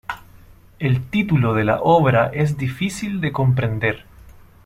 El título de la obra es difícil de comprender.